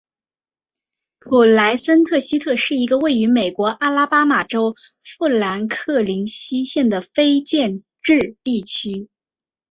普莱森特西特是一个位于美国阿拉巴马州富兰克林县的非建制地区。